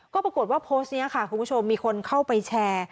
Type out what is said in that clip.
ก็ปรากฏว่าโพสต์นี้ค่ะคุณผู้ชมมีคนเข้าไปแชร์